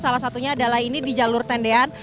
salah satunya adalah ini di jalur tendean